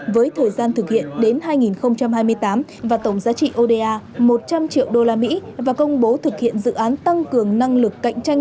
với thời gian thực hiện đến hai nghìn hai mươi tám và tổng giá trị oda một trăm linh triệu usd và công bố thực hiện dự án tăng cường năng lực cạnh tranh